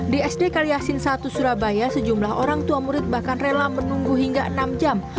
di sd kaliasin satu surabaya sejumlah orang tua murid bahkan rela menunggu hingga enam jam